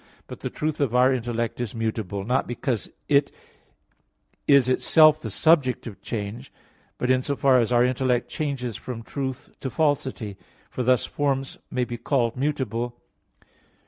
But the truth of our intellect is mutable; not because it is itself the subject of change, but in so far as our intellect changes from truth to falsity, for thus forms may be called mutable.